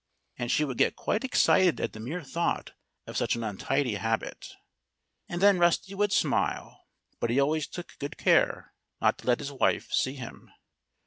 And she would get quite excited at the mere thought of such an untidy habit. And then Rusty would smile but he always took good care not to let his wife see him.